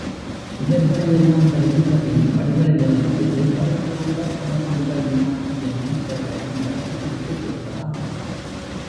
இவர்களையெல்லாம் தரிசித்த பின் படிகளில் இறங்கி அடித்தளத்தில் உள்ள சோமசுந்தரர் மீனாக்ஷியம்மை இவர்களையும் தரிசித்து விட்டுத் திரும்பலாம்.